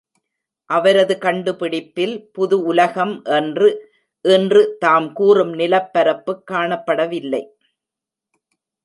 அவரது கண்டு பிடிப்பில், புது உலகம் என்று இன்று தாம் கூறும் நிலப்பரப்பு காணப்படவில்லை.